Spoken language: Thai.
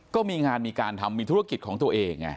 ก็มีงานมีการทำมีธุรกิจของตัวเอง